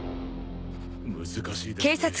難しいですね。